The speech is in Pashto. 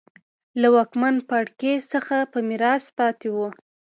له واکمن پاړکي څخه په میراث پاتې وو.